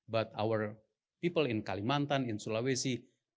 but hour people in kalimantan in sulawesi